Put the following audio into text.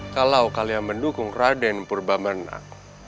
kalau kalian mendukung raden purba menak